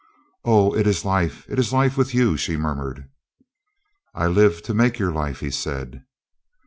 "Oh, it is life, it is life with you," she murmured. "I live to make your life," he said.